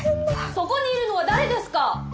そこにいるのは誰ですか？